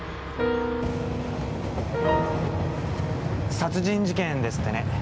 殺人事件ですってね。